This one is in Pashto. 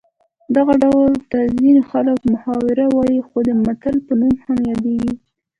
دغه ډول ته ځینې خلک محاوره وايي خو د متل په نوم هم یادیږي